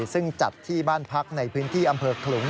ซึ่งจัดที่บ้านพักในพื้นที่อำเภอขลุง